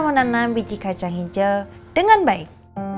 bagaimana cara menanam biji kacang hijau dengan baik